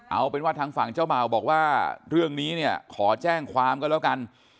เอาเป็นว่าทางฝั่งเจ้าบ่าวบอกว่าเรื่องนี้เนี่ยขอแจ้งความก็แล้วกัน